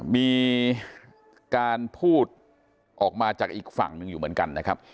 มีการพูดออกมาจากอีกฝั่งหนึ่งอยู่เหมือนกันนะครับ